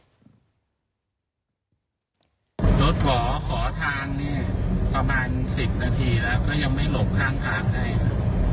รถหวอขอทางประมาณ๑๐นาทีแล้วยังไม่หลบข้างทางใน